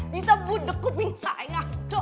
bisa budek ku bingkak ya ngaduk